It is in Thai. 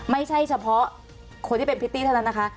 ไม่ใช่เฉพาะคนที่เป็นพริตตี้เท่านั้นนะคะ